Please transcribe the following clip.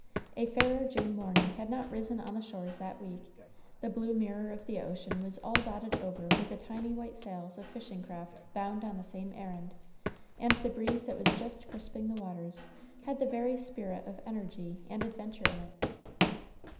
A fairer June morning had not risen on the shores that week; the blue mirror of the ocean was all dotted over with the tiny white sails of fishing craft bound on the same errand, and the breeze that was just crisping the waters had the very spirit of energy and adventure in it.